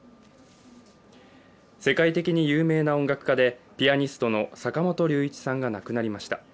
世界的に有名な音楽家でピアニストの坂本龍一さんが亡くなりました。